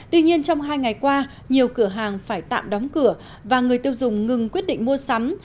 tuy nhiên trong hai ngày qua nhiều cửa hàng phải tạm đóng cửa và người tiêu dùng ngừng quyết định mua sắm